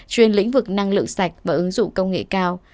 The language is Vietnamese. trên lĩnh vực năng lượng sạch và ứng dụng công nghệ cao